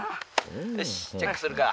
「よしチェックするか。